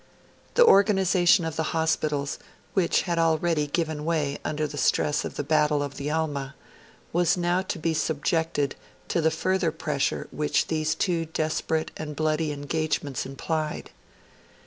The organisation of the hospitals, which had already given way under the stress of the battle of the Alma, was now to be subjected to the further pressure which these two desperate and bloody engagements implied.